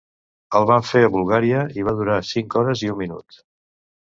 El van fer a Bulgària i va durar cinc hores i un minut.